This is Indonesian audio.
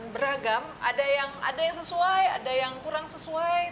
beragam ada yang sesuai ada yang kurang sesuai